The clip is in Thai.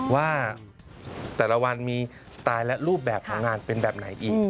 ว่าแต่ละวันมีสไตล์และรูปแบบของงานเป็นแบบไหนอีก